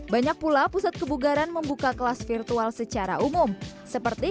banyak pula pusat kebugaran membuka kelas virtual secara umum seperti